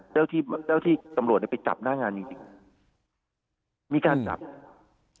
เจ้าที่เจ้าที่ตำรวจเนี้ยไปจับหน้างานจริงจริงมีการจับ